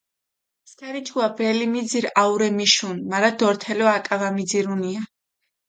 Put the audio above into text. სქანიჯგუა ბრელი მიძირჷ აურე მიშუნ, მარა დორთელო აკა ვამიძირუნია.